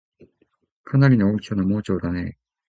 かなりの大きさの盲腸だねぇ